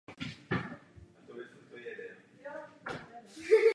Parlamentní ratifikace je přinejmenším tak demokratická jako referendum.